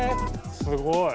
すごい。